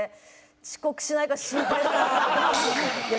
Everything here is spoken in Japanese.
「遅刻しないか心配だな」。